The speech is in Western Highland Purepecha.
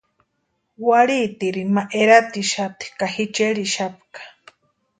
Warhiitirini ma eratixapti ka ji cherhixapka.